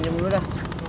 gue pinjam dulu dah